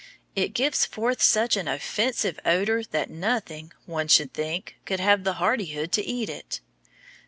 It gives forth such an offensive odor that nothing, one should think, could have the hardihood to eat it.